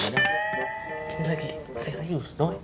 ini lagi serius noi